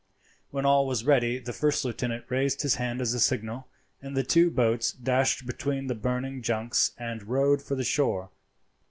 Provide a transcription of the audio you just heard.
When all was ready the first lieutenant raised his hand as a signal, and the two boats dashed between the burning junks and rowed for the shore.